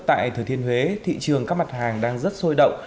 tại thừa thiên huế thị trường các mặt hàng đang rất sôi động